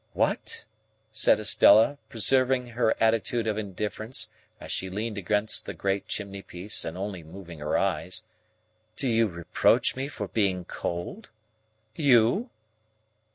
"What?" said Estella, preserving her attitude of indifference as she leaned against the great chimney piece and only moving her eyes; "do you reproach me for being cold? You?"